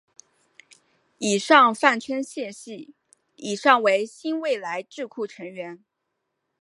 以上泛称谢系以上为新未来智库成员。